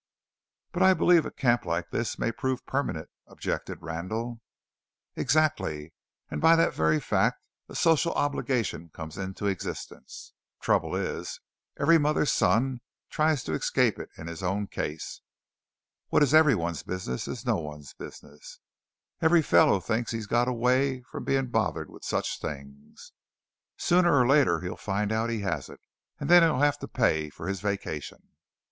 "But I believe a camp like this may prove permanent," objected Randall. "Exactly. And by that very fact a social obligation comes into existence. Trouble is, every mother's son tries to escape it in his own case. What is every one's business is no one's business. Every fellow thinks he's got away from being bothered with such things. Sooner or later he'll find out he hasn't, and then he'll have to pay for his vacation."